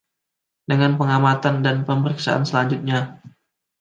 Dengan Pengamatan dan Pemeriksaan Selanjutnya.